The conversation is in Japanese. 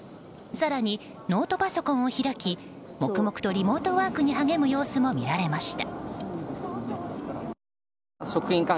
更に、ノートパソコンを開き黙々とリモートワークに励む様子も見られました。